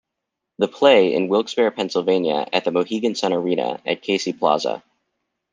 They play in Wilkes-Barre, Pennsylvania at the Mohegan Sun Arena at Casey Plaza.